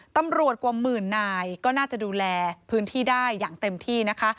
ตำรวจกว่าหมื่นนายก็น่าจะดูแลพื้นที่ได้อย่างเต็มที่นะคะ